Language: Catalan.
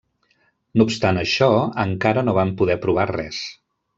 No obstant això, encara no van poder provar res.